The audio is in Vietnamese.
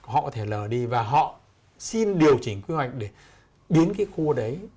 họ có thể lờ đi và họ xin điều chỉnh quy hoạch để biến cái khu đấy